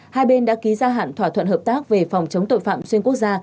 hai bên đã ký gia hạn thỏa thuận hợp tác về phòng chống tội phạm xuyên quốc gia